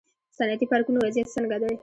د صنعتي پارکونو وضعیت څنګه دی؟